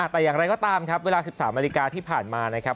แต่อย่างไรก็ตามครับเวลา๑๓นาฬิกาที่ผ่านมานะครับ